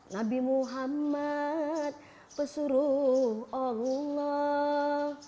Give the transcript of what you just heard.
nabi muhammad pesuruh allah